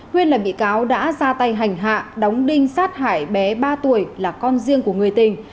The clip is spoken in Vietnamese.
huyên là bị cáo đã ra tay hành hạ đóng đinh sát hải bé ba tuổi là con riêng của người tình